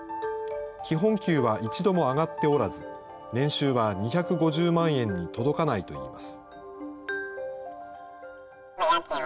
基本給は一度も上がっておらず、年収は２５０万円に届かないといいます。